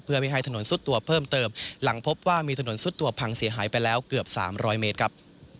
เพื่อไม่ให้ถนนซุดตัวเพิ่มเติมหลังพบว่ามีถนนซุดตัวพังเสียหายไปแล้วเกือบ๓๐๐เมตรครับ